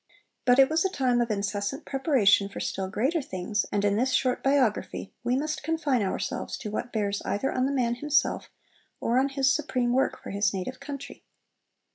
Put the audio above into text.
But it was a time of incessant preparation for still greater things, and in this short biography we must confine ourselves to what bears either on the man himself or on his supreme work for his native country.